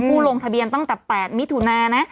ลงทะเบียนตั้งแต่๘มิถุนานะ